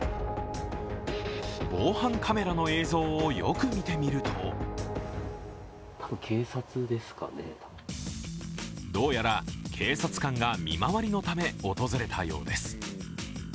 防犯カメラの映像をよく見てみるとどうやら警察官が見回りのため、訪れたようです。